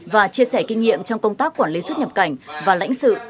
và chia sẻ kinh nghiệm trong công tác quản lý xuất nhập cảnh và lãnh sự